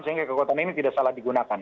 sehingga kekuatan ini tidak salah digunakan